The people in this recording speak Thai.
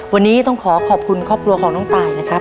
วันนี้ต้องขอขอบคุณครอบครัวของน้องตายนะครับ